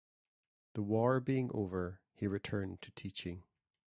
The war being over he returned to teaching.